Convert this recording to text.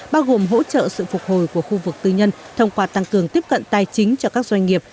bao gồm hỗ trợ sự phục hồi của khu vực tư nhân thông qua tăng cường tiếp cận tài chính cho các doanh nghiệp